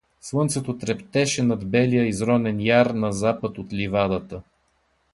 Слънцето трептеше над белия изронен яр на запад от ливадата.